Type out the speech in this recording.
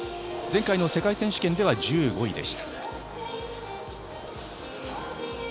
前回の世界選手権では１５位。